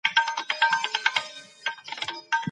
آيا انسانان يو بل ته اړتيا لري؟